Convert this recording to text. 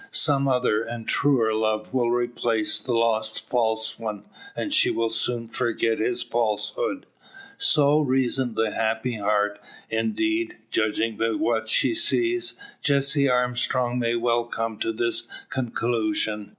Some other and truer lover will replace the lost false one, and she will soon forget his falsehood. So reasons the happy heart. Indeed, judging by what she sees, Jessie Armstrong may well come to this conclusion.